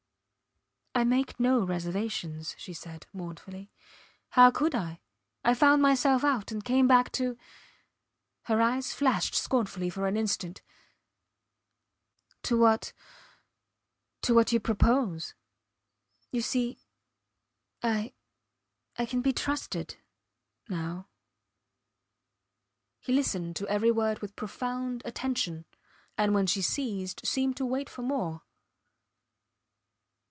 I make no reservations, she said, mournfully. How could I? I found myself out and came back to ... her eyes flashed scornfully for an instant ... to what to what you propose. You see ... I ... I can be trusted ... now. He listened to every word with profound attention, and when she ceased seemed to wait for more.